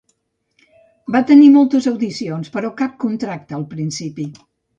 Va tenir moltes audicions però cap contracte al principi.